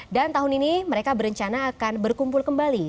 dan tahun ini mereka berencana akan berkumpul kembali